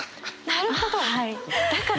なるほど！